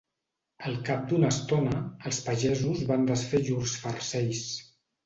Al cap d'una estona, els pagesos van desfer llurs farcells